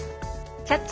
「キャッチ！